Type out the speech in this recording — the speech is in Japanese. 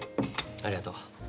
ありがとう。